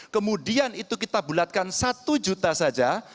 kemudian itu kita bulatkan satu juta saja